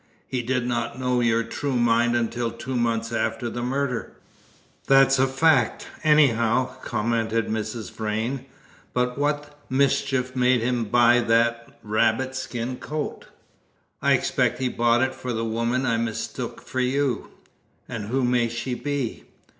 He did not know your true mind until two months after the murder." "That's a fact, anyhow," commented Mrs. Vrain. "But what the mischief made him buy that rabbit skin cloak?" "I expect he bought it for the woman I mistook for you." "And who may she be?"